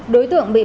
đối tượng bị bắt